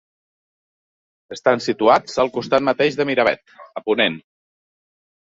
Estan situats al costat mateix de Miravet, a ponent.